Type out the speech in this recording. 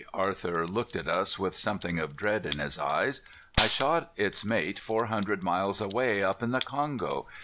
Arthur looked at us with something of dread in his eyes. "I shot its mate four hundred miles away, up in the Kongo.